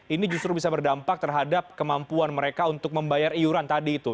ini justru bisa berdampak terhadap kemampuan mereka untuk membayar iuran tadi itu